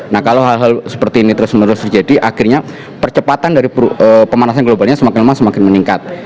nah kalau hal hal seperti ini terus menerus terjadi akhirnya percepatan dari pemanasan globalnya semakin lama semakin meningkat